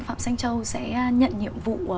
phạm xanh châu sẽ nhận nhiệm vụ